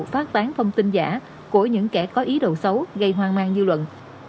phát tán thông tin giả của những kẻ có ý đồ xấu gây hoang mang dư luận